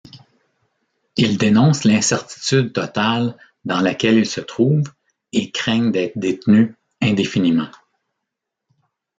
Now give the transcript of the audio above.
Ils dénoncent l'incertitude totale dans laquelle ils se trouvent, et craignent d'être détenus indéfiniment.